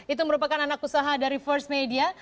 itu merupakan anak usaha dari first media